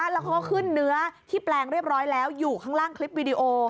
แล้วเขาก็ขึ้นเนื้อที่แปลงเรียบร้อยแล้วอยู่ข้างล่างคลิปวิดีโอ